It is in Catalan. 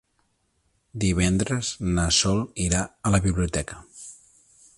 Divendres na Sol irà a la biblioteca.